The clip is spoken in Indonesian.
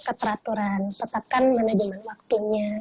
keteraturan tetapkan manajemen waktunya